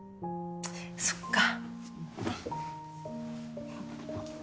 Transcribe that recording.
そっか。